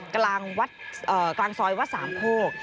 กลางซอยวัดสามโคก